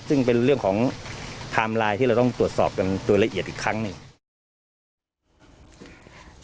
ซึ่งเป็นเรื่องของไทม์ไลน์ที่เราต้องตรวจสอบกันโดยละเอียดอีกครั้งหนึ่งนะครับ